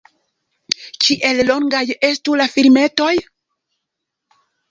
Kiel longaj estu la filmetoj?